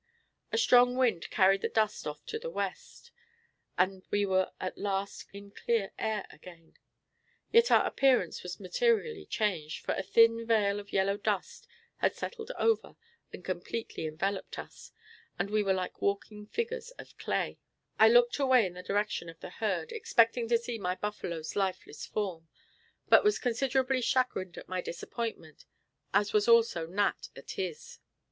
A strong wind carried the dust off to the west, and we were at last in clear air again. Yet our appearance was materially changed, for a thin veil of yellow dust had settled over and completely enveloped us, and we were like walking figures of clay. [Illustration: "Gave a snort of alarm and plunged headlong away into the droves."] I looked away in the direction of the herd, expecting to see my buffalo's lifeless form, but was considerably chagrined at my disappointment, as was also Nat at his.